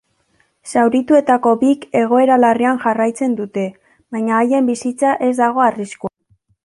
Zaurituetako bik egoera larrian jarraitzen dute, baina haien bizitza ez dago arriskuan.